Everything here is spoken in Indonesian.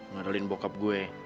ngadalin bokap gue